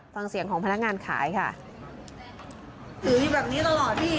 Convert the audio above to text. ฟังเสี่ยงของพนักงานขายค่ะแบบนี้ตลอดพี่